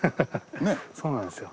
そうなんですよ。